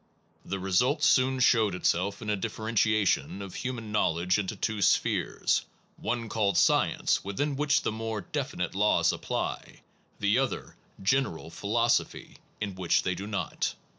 The result soon showed itself in a differentiation of human knowledge into two spheres, one called Sci ence, within which the more definite laws apply, the other General Philosophy/ in which they do not.